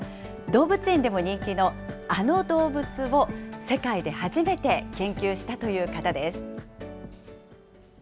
動物園でも人気のあの動物を、世界で初めて研究したという方です。